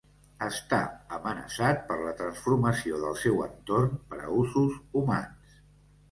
Està amenaçat per la transformació del seu entorn per a usos humans.